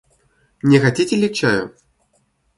Не хотите ли чаю?